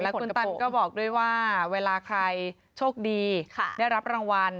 คุณตันก็บอกด้วยว่าเวลาใครโชคดีได้รับรางวัล